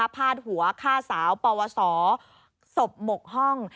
พาดหัวฆ่าสาวปวสอศพหมกห้อง